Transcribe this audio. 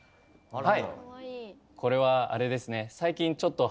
はい。